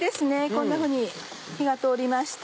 こんなふうに火が通りました。